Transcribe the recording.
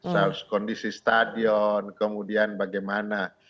terus kondisi stadion kemudian bagaimana